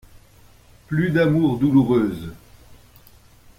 Plus d'amours douloureuses.